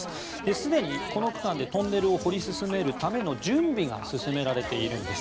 すでに、この区間でトンネルを掘り進めるための準備が進められているんです。